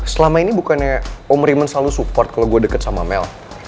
selama ini bukannya omeriman selalu support kalau gue deket sama mel